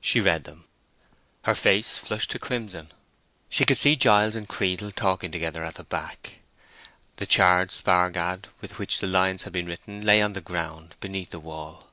She read them. Her face flushed to crimson. She could see Giles and Creedle talking together at the back; the charred spar gad with which the lines had been written lay on the ground beneath the wall.